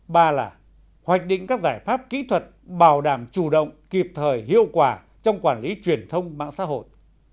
ba là hoạch định các giải pháp kỹ thuật bảo đảm chủ động kịp thời hiệu quả trong quản lý truyền thông mạng xã hội